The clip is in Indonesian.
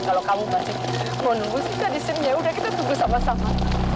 kalau kamu pasti mau nunggu sita di sini yaudah kita tunggu sama sama